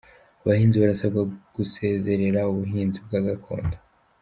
Abahinzi barasabwa gusezerera ubuhinzi bwa gakondo